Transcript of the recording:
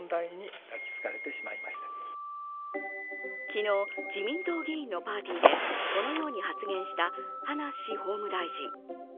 昨日、自民党議員のパーティーでこのように発言した葉梨法務大臣。